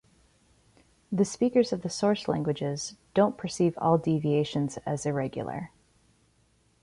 The speakers of the source languages don't perceive all deviations as irregular.